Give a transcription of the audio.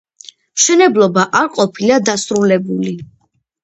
მშენებლობა არ ყოფილა დასრულებული.